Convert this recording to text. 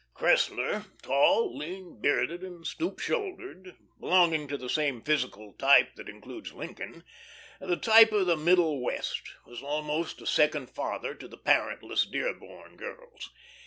Cressler, tall, lean, bearded, and stoop shouldered, belonging to the same physical type that includes Lincoln the type of the Middle West was almost a second father to the parentless Dearborn girls.